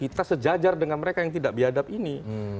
kita sejajar dengan mereka yang tidak biadab ini